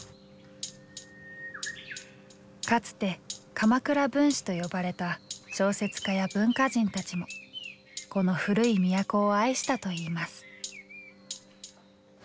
かつて鎌倉文士と呼ばれた小説家や文化人たちもこの古い都を愛したといいます。